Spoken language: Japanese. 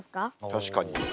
確かに。